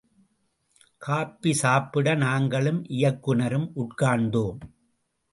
Copy சாப்பிட, நாங்களும் இயக்குநரும் உட்கார்ந்தோம்.